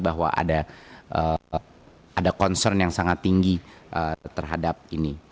bahwa ada concern yang sangat tinggi terhadap ini